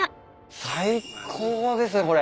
最高ですねこれ。